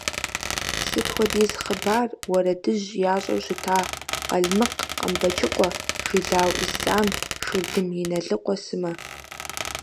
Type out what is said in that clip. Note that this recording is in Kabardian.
Сыт хуэдиз хъыбар, уэрэдыжь ящӏэу щыта Къалмыкъ Къамбэчыкъуэ, Жылау Ислъам, Шурдым Иналыкъуэ сымэ.